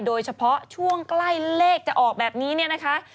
โดยเฉพาะช่วงใกล้เลขจะออกแบบนี้เนี่ยนะคะ